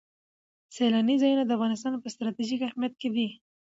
سیلاني ځایونه د افغانستان په ستراتیژیک اهمیت کې دي.